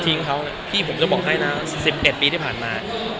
แล้วก็ทิ้งเขาพี่ผมต้องบอกให้นะสิบเอ็ดปีที่ผ่านมา